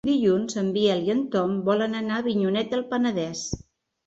Dilluns en Biel i en Tom volen anar a Avinyonet del Penedès.